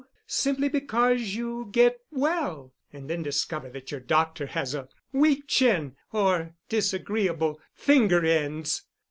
Simply because you get well and then discover that your doctor has a weak chin or disagreeable finger ends.